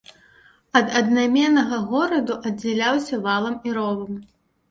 Ад аднайменнага гораду аддзяляўся валам і ровам.